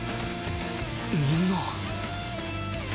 みんな